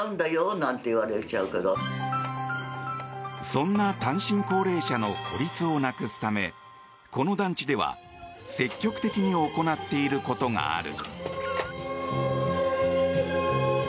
そんな単身高齢者の孤立をなくすためこの団地では積極的に行っていることがある。